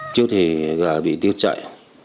trước thì gà bị tiêu chạy